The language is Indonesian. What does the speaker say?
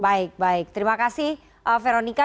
baik baik terima kasih veronica